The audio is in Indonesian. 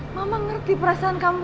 mama ngerti perasaan kamu